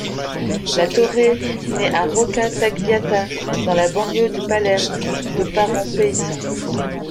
La Torre naît à Rocca Tagliata dans la banlieue de Palerme, de parents paysans.